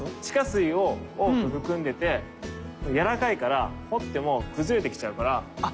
地下水を多く含んでてやわらかいから掘っても崩れてきちゃうから。